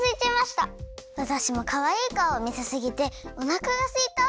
わたしもかわいいかおをみせすぎておなかがすいた！